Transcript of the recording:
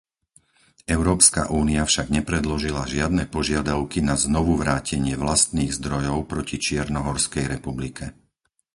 Európska únia však nepredložila žiadne požiadavky na znovuvrátenie vlastných zdrojov proti Čiernohorskej republike.